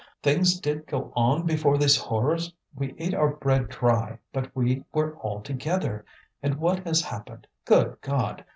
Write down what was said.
Things did go on before these horrors. We ate our bread dry, but we were all together; and what has happened, good God!